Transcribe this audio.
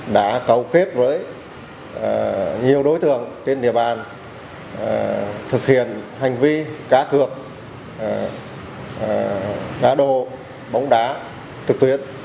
đã cầu kết với nhiều đối tượng trên địa bàn thực hiện hành vi cá cược cá đồ bóng đá trực tuyến